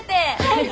はい！